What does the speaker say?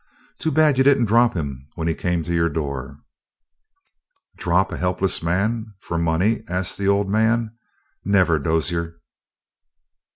Too bad you didn't drop him when he came to your door." "Drop a helpless man for money?" asked the old man. "Never, Dozier!"